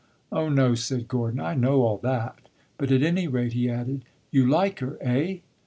'" "Oh no," said Gordon; "I know all that. But, at any rate," he added, "you like her, eh?"